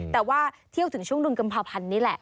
แต่ว่าเที่ยวถึงช่วงดุลกรรมภัณฑ์นี่แหละ